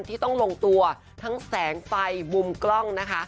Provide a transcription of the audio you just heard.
ที่ต้องลงตัวทั้งแสงไฟมุมกล้องนะคะ